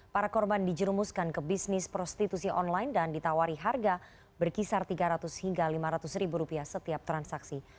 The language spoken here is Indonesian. para korban dijerumuskan ke bisnis prostitusi online dan ditawari harga berkisar tiga ratus hingga lima ratus ribu rupiah setiap transaksi